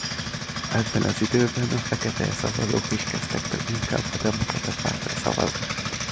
Ebben az időben a fekete szavazók is kezdtek inkább a Demokrata Pártra szavazni.